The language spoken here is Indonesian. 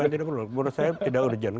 bukan tidak perlu menurut saya tidak perlu ada